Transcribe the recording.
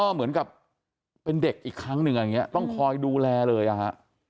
เหมือนกับเป็นเด็กอีกครั้งหนึ่งอย่างนี้ต้องคอยดูแลเลยอ่ะฮะ